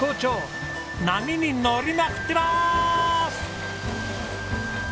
波に乗りまくってます！